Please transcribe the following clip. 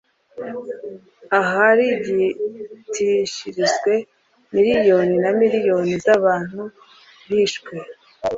aharigitishirijwe miliyoni na miliyoni z'abantu bishwe